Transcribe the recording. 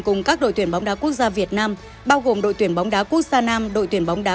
cùng các đội tuyển bóng đá quốc gia việt nam bao gồm đội tuyển bóng đá quốc gia nam đội tuyển bóng đá